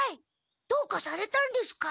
どうかされたんですか？